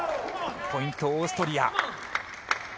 ポイント、オーストリア。